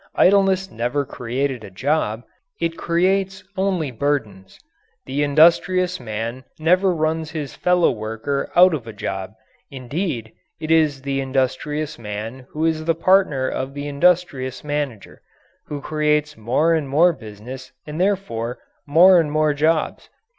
Idleness never created a job. It creates only burdens. The industrious man never runs his fellow worker out of a job; indeed, it is the industrious man who is the partner of the industrious manager who creates more and more business and therefore more and more jobs.